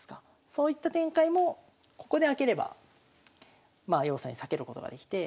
そういった展開もここで開ければまあ要するに避けることができて。